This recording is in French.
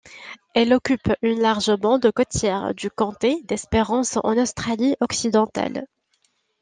Elle occupe une large bande côtière du comté d'Esperance en Australie-Occidentale.